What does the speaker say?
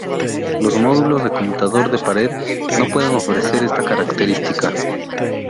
Los módulos de conmutador de pared no pueden ofrecer esta característica.